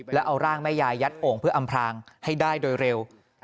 แล้วเอาร่างแม่ยายยัดโอ่งเพื่ออำพลางให้ได้โดยเร็ว